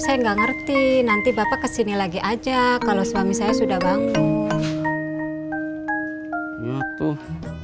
saya nggak ngerti nanti bapak kesini lagi aja kalau suami saya sudah bangun